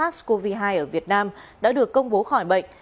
sars cov hai ở việt nam đã được công bố khỏi bệnh